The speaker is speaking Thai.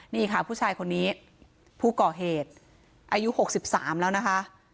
นี่ค่ะผู้ชายคนนี้ผู้ก่อเหตุอายุ๖๓แล้วนะคะ